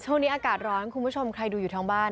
ช่วงนี้อากาศร้อนคุณผู้ชมใครดูอยู่ทั้งบ้าน